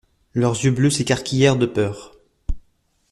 Leurs yeux bleus s'écarquillèrent de peur.